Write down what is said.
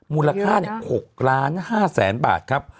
มูลค่า๖๕๐๐๐๐๐บาทครับ